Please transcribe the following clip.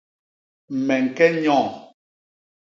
Me ñke nyoo.